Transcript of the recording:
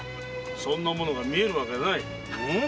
そんなものが見えるわけがない。